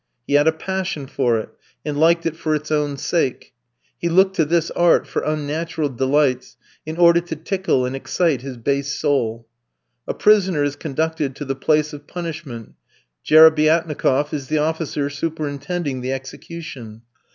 He had a passion for it, and liked it for its own sake; he looked to this art for unnatural delights in order to tickle and excite his base soul. A prisoner is conducted to the place of punishment. Jerebiatnikof is the officer superintending the execution.